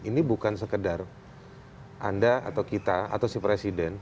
ini bukan sekedar anda atau kita atau si presiden